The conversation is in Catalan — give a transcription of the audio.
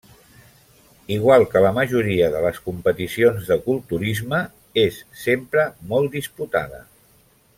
Igual que la majoria de les competicions de culturisme, és sempre molt disputada.